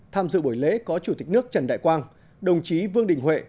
tham dự buổi lễ có chủ tịch nước trần đại quang đồng chí vương đình huệ